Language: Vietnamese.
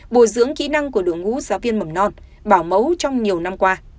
bồi dưỡng kỹ năng của đội ngũ giáo viên mầm non bảo mẫu trong nhiều năm qua